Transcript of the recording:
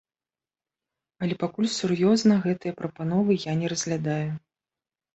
Але пакуль сур'ёзна гэтыя прапановы я не разглядаю.